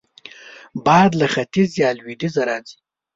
باد له ختیځ یا لوېدیځه راځي